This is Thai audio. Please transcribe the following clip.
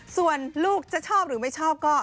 ส่วนลูกจะชอบหรือไม่ชอบก็